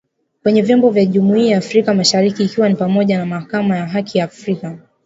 kwenye vyombo vya jumuia ya Afrika mashariki ikiwa ni pamoja na Mahakama ya Haki ya Afrika